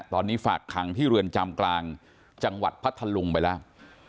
ตอนนี้ฝากขังที่เรือนจำกลางจังหวัดพัทธลุงไปแล้ว